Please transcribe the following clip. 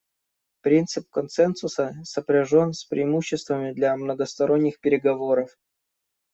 Принцип консенсуса сопряжен с преимуществами для многосторонних переговоров.